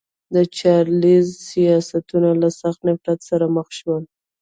د چارلېز سیاستونه له سخت نفرت سره مخ شول.